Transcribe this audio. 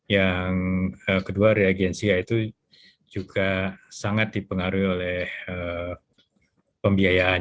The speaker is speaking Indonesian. yang kedua reagensia itu juga sangat dipengaruhi oleh pembiayaan